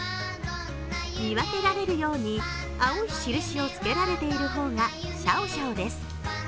見分けられるように青い印をつけられている方がシャオシャオです。